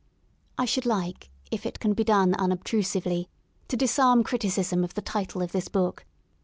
I should like, if it can be done unobtrusively, to dis arm criticism of the title of this book.